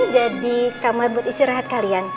jadi kamar buat istirahat kalian